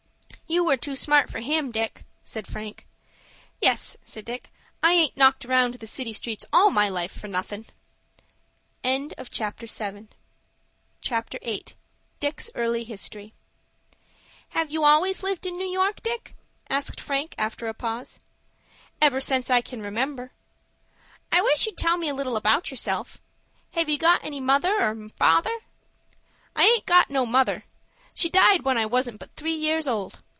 "You were too smart for him, Dick," said Frank. "Yes," said Dick, "I aint knocked round the city streets all my life for nothin'." CHAPTER VIII. DICK'S EARLY HISTORY "Have you always lived in New York, Dick?" asked Frank, after a pause. "Ever since I can remember." "I wish you'd tell me a little about yourself. Have you got any father or mother?" "I aint got no mother. She died when I wasn't but three years old.